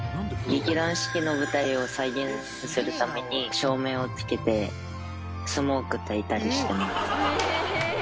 劇団四季の舞台を再現するために照明をつけてスモークたいたりしてます。